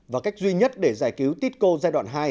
và cách duy nhất để giải cứu titco giai đoạn hai